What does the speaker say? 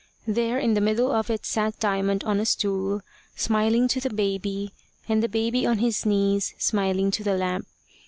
there in the middle of it sat Diamond on a stool, smiling to the baby, and the baby on his knees smiling to the lamp.